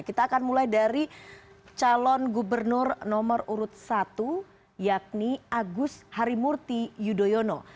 kita akan mulai dari calon gubernur nomor urut satu yakni agus harimurti yudhoyono